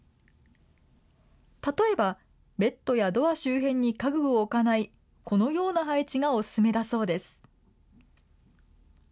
例えば、ベッドやドア周辺に家具を置かない、このような配置がお勧めだそうです。